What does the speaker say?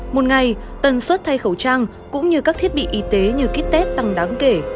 một ngày tuần suốt thay khẩu trang cũng như các thiết bị y tế như kit test tăng đáng kể